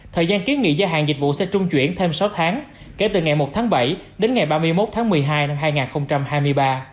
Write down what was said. thời gian kiến nghị gia hàng dịch vụ xe trung chuyển thêm sáu tháng kể từ ngày một tháng bảy đến ngày ba mươi một tháng một mươi hai năm hai nghìn hai mươi ba